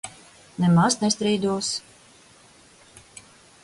Nemaz nestrīdos.